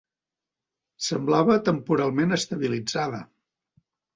Semblava temporalment estabilitzada.